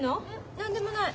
何でもない。